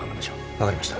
分かりました。